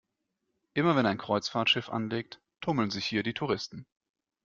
Immer wenn ein Kreuzfahrtschiff anlegt, tummeln sich hier die Touristen.